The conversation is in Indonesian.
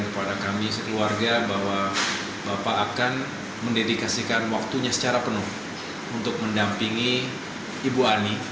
kepada kami sekeluarga bahwa bapak akan mendedikasikan waktunya secara penuh untuk mendampingi ibu ani